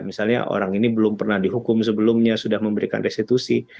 misalnya orang ini belum pernah dihukum sebelumnya sudah memberikan restitusi